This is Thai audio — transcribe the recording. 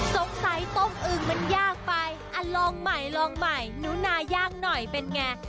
สงสัยต้มอึงมันย่างไปอ่ะลองใหม่หนูนาย่างหน่อยเป็นไง